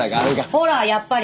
ほらやっぱり！